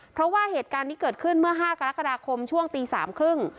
เพราะว่าเหตุการณ์นี้เกิดขึ้นเมื่อ๕กรกฎาคมช่วงตีสามครึ่ง